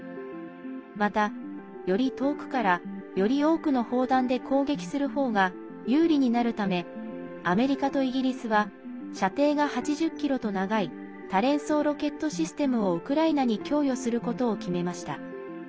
また、より遠くからより多くの砲弾で攻撃するほうが有利になるためアメリカとイギリスは射程が８０ｋｍと長い多連装ロケットシステムをウクライナに供与することを決めました。